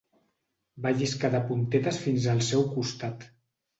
Va lliscar de puntetes fins al seu costat.